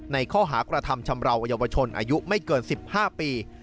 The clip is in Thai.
ในข้อหากระทำชำราวเยาวชนอายุไม่เกิน๑๕ปี